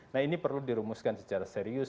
nah ini perlu dirumuskan secara serius